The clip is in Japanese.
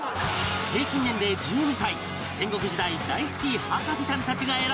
平均年齢１２歳戦国時代大好き博士ちゃんたちが選ぶ